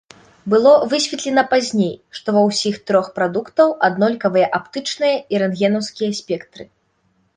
Было высветлена пазней, што ва ўсіх трох прадуктаў аднолькавыя аптычныя і рэнтгенаўскія спектры.